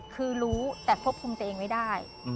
คือรู้แต่ควบคุมตัวเองไม่ได้